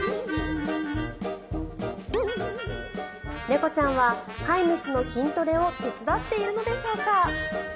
猫ちゃんは飼い主の筋トレを手伝っているのでしょうか。